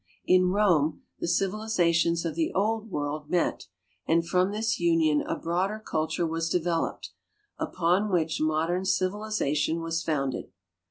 In Rome the civilizations of the old world met, and from this union a broader culture was developed, upon which modern civilization was founded.